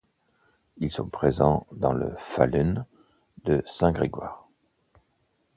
Ils sont présents dans le Falun de Saint-Grégoire.